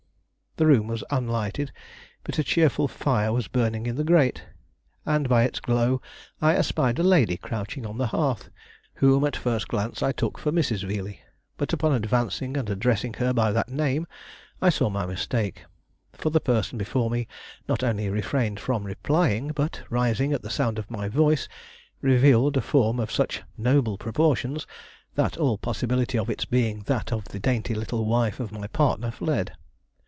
The room was unlighted, but a cheerful fire was burning in the grate, and by its glow I espied a lady crouching on the hearth, whom at first glance I took for Mrs. Veeley. But, upon advancing and addressing her by that name, I saw my mistake; for the person before me not only refrained from replying, but, rising at the sound of my voice, revealed a form of such noble proportions that all possibility of its being that of the dainty little wife of my partner fled.